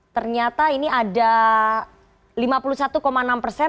ternyata ini ada lima puluh satu enam persen